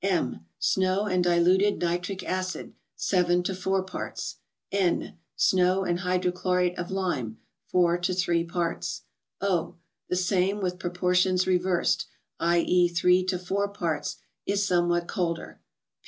M. —Snow and diluted nitric acid, 7 to 4 parts. N. —Snow and hydrochlorate of lime, 4 to 3 parts. O. —The same, with proportions reversed, i. e., 3 to 4 parts, is somewhat colder.